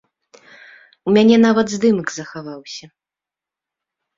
У мяне нават здымак захаваўся.